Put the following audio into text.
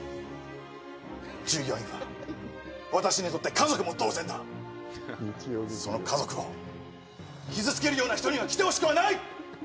従業員は私にとって家族も同然だその家族を傷つけるような人には来てほしくはない！